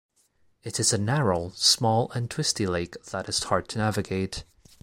It is a narrow, small, and twisty lake that is hard to navigate.